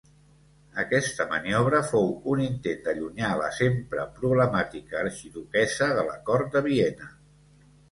Aquesta maniobra fou un intent d'allunyar la sempre problemàtica arxiduquessa de la Cort de Viena.